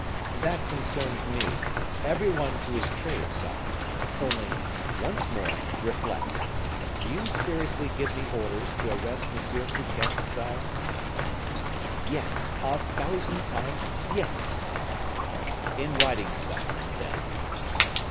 "That concerns me; every one to his trade, sire; only, once more, reflect! Do you seriously give me orders to arrest M. Fouquet, sire?" "Yes, a thousand times, yes!" "In writing, sire, then."